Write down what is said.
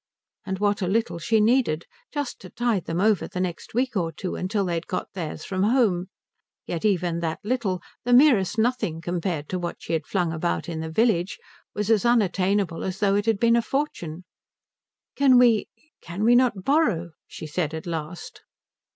And what a little she needed: just to tide them over the next week or two till they had got theirs from home; yet even that little, the merest nothing compared to what she had flung about in the village, was as unattainable as though it had been a fortune. "Can we can we not borrow?" she said at last.